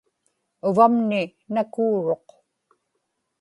uvamni nakuuruq